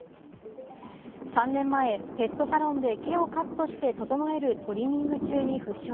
３年前、ペットサロンで毛をカットして整えるトリミング中に負傷。